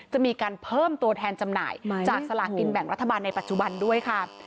จะมีการเพิ่มตัวแทนจำหน่ายจากสลากินแบ่งรัฐบาลในปัจจุบันด้วยค่ะ